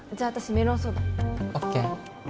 メロンソーダＯＫ